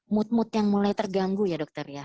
mood mood yang mulai terganggu ya dokter ya